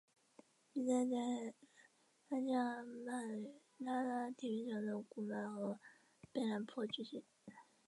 比赛在拉加曼拉拉体育场的曼谷和的北榄坡举行。